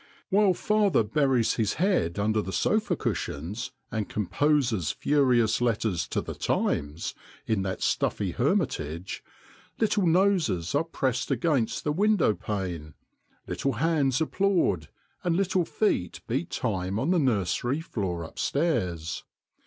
While father buries his head under the sofa cushions and composes furious letters to the Times in that stuffy hermitage, little noses are pressed against the window pane, little hands applaud, and little feet beat time on the nursery floor upstairs.